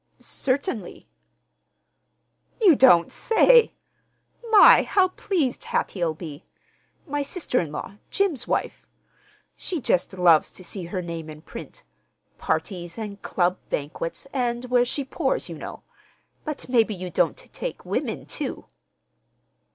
"Certainly." "You don't say! My, how pleased Hattie'll be—my sister in law, Jim's wife. She just loves to see her name in print—parties, and club banquets, and where she pours, you know. But maybe you don't take women, too."